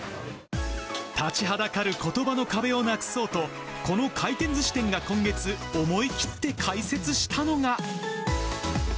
立ちはだかることばの壁をなくそうと、この回転ずし店が今月、思い切って開設したのが。